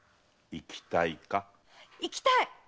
行きたい！